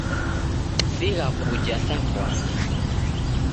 Sigha kuja sa fwandi